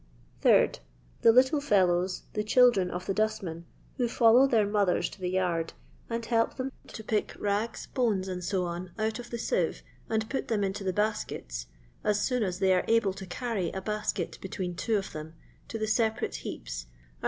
Srd. The little feUows, the children of the dustmen, who follow their mothers to the yard, and help them to pick rags, bones, &&, out of the sieve and put them into the baskeU, as soon as they are able to carry a basket between two of them to the sepaiste heaps, are paid Zd.